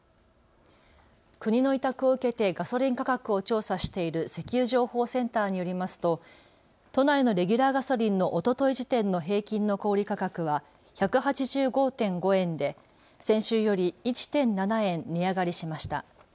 国の委託を受けてガソリン価格を調査している石油情報センターによりますと都内のレギュラーガソリンのおととい時点の平均の小売価格は１８５．５円で先週より１．７円値上がりしました。